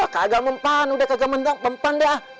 kagak mempan udah kagak mempan dah